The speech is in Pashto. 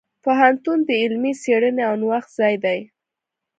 پوهنتون د علمي څیړنې او نوښت ځای دی.